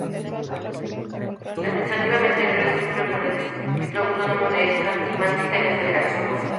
Administrativamente, el río discurre por el distrito autónomo de Janti-Mansi de la Federación Rusa.